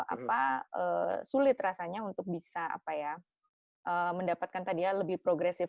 apa sulit rasanya untuk bisa apa ya mendapatkan tadi ya lebih progresif